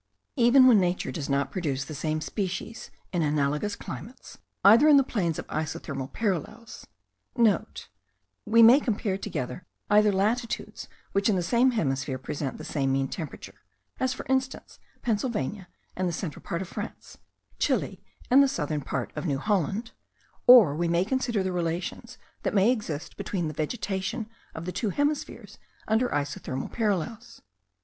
Even when nature does not produce the same species in analogous climates, either in the plains of isothermal parallels,* (We may compare together either latitudes which in the same hemisphere present the same mean temperature (as, for instance, Pennsylvania and the central part of France, Chile and the southern part of New Holland); or we may consider the relations that may exist between the vegetation of the two hemispheres under isothermal parallels.)